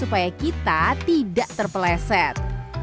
supaya kita tidak terpeleset